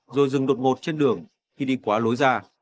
rồi dừng đột ngột trên đường khi đi quá lối ra